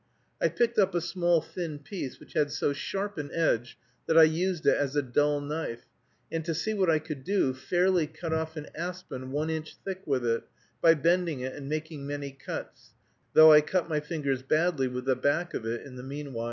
I picked up a small thin piece which had so sharp an edge that I used it as a dull knife, and to see what I could do, fairly cut off an aspen one inch thick with it, by bending it and making many cuts; though I cut my fingers badly with the back of it in the meanwhile.